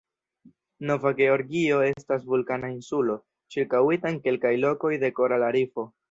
Nova Georgio estas vulkana insulo, ĉirkaŭita en kelkaj lokoj de korala rifo.